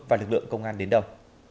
và lực lượng công an đến đâu